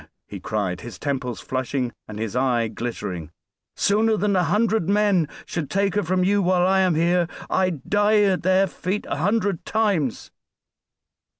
he cried, his temples flushing and his eye glittering; "sooner than a hundred men should take her from you while I am here I'd die at their feet a hundred times."